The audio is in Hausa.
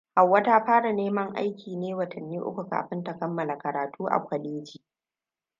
Hauwa ta fara neman aiki ne watanni uku kafin ta kammala karatu a kwaleji.